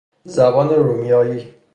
زبان رومیایی